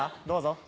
どうぞ。